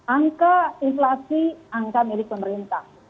angka inflasi angka milik pemerintah